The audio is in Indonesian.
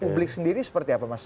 publik sendiri seperti apa mas